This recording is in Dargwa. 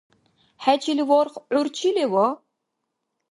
ХӀечил варх гӀур чи лева?